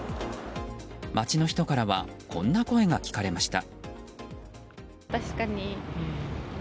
街の人からはこんな声が聞かれました。